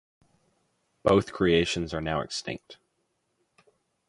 Both creations are now extinct.